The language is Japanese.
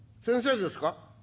先生ですか？」。